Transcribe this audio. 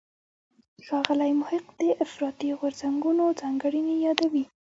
ښاغلی محق د افراطي غورځنګونو ځانګړنې یادوي.